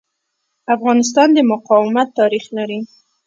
افغانستان د مقاومت تاریخ لري.